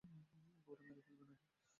একবারে মেরে ফেলবে নাকি?